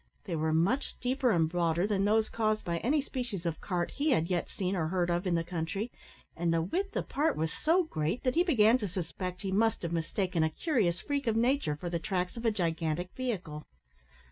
They were much deeper and broader than those caused by any species of cart he had yet seen or heard of in the country, and the width apart was so great, that he began to suspect he must have mistaken a curious freak of nature for the tracks of a gigantic vehicle.